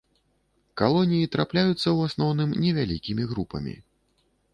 Калоніі трапляюцца ў асноўным невялікімі групамі.